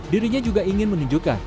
dirinya juga ingin menunjukkan